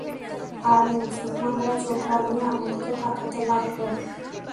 আর মুসলমানরা চোখ রাঙিয়ে আমার দিকে তাকাতে লাগল।